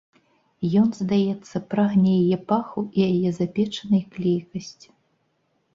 Ён, здаецца, прагне яе паху і яе запечанай клейкасці.